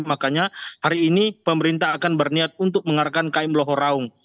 makanya hari ini pemerintah akan berniat untuk mengarahkan km loharaung